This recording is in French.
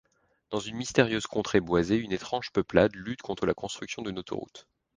Dans une mystérieuse contrée boisée, une étrange peuplade lutte contre la construction d'une autoroute.